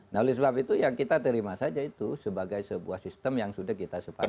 nah oleh sebab itu ya kita terima saja itu sebagai sebuah sistem yang sudah kita sepakat